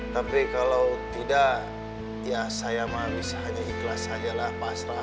tapi kalau tidak ya saya mah misalnya ikhlas saja lah pasrah